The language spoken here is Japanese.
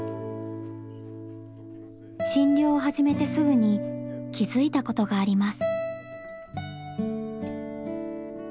診療を始めてすぐに気付いたことがあります。